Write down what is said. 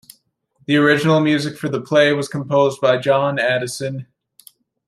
The original music for the play was composed by John Addison.